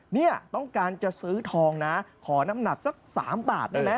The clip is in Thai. เนี่ยต้องการจะซื้อทองนะขอน้ำหนักสัก๓บาทได้ไหม